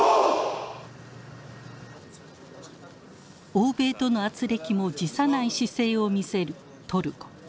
欧米とのあつれきも辞さない姿勢を見せるトルコ。